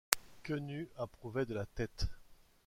Quenu approuvait de la tête.